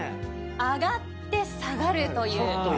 上がって下がるという。